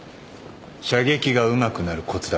射撃がうまくなるコツだ。